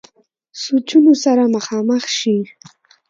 سوچونو سره مخامخ شي -